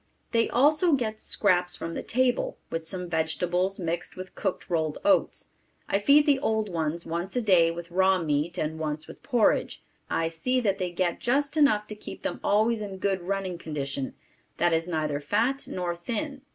They also get scraps from the table with some vegetables mixed with cooked rolled oats. I feed the old ones once a day with raw meat and once with porridge. I see that they get just enough to keep them always in good running condition, that is neither fat nor thin.